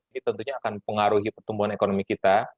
ini tentunya akan mengaruhi pertumbuhan ekonomi kita